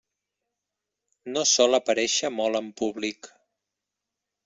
No sol aparèixer molt en públic.